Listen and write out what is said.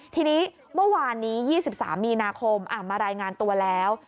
ทีนี้เมื่อวานนี้๒๓มีนาคมมารายงานตัวแล้ว